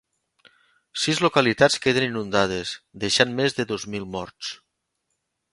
Sis localitats queden inundades, deixant més de dos mil morts.